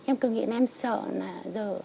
em cứ nghĩ là em sợ là giờ